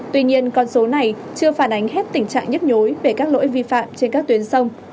tuy nhiên con số này chưa phản ánh hết tình trạng nhức nhối về các lỗi vi phạm trên các tuyến sông